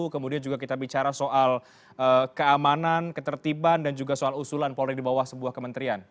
kemudian juga kita bicara soal keamanan ketertiban dan juga soal usulan polri di bawah sebuah kementerian